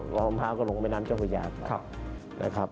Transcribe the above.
พระพระพาวกะโล่งบ๊วยความนำเจ้าผุยหยาด